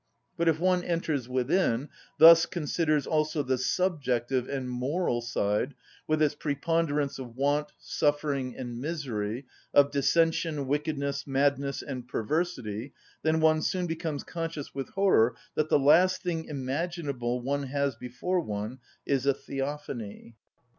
But if one enters within, thus considers also the subjective and moral side, with its preponderance of want, suffering, and misery, of dissension, wickedness, madness, and perversity, then one soon becomes conscious with horror that the last thing imaginable one has before one is a theophany.